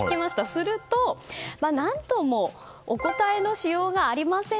すると、何ともお答えのしようがありません。